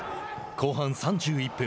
後半３１分。